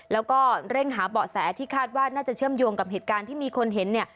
แล้วก็เร่งหาเบาะแสที่คาดว่าน่าจะเชื่อมโยงกับเหตุการณ์ที่มีคนเห็นเนี่ย